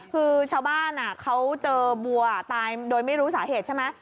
คือชาวบ้านเขาเจอวัวตายโดยไม่รู้สาเหตุใช่ไหม